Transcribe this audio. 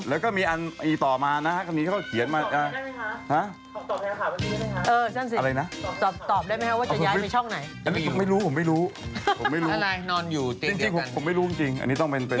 อันนี้ไงเป็นแบบเฟิ้งอารมณ์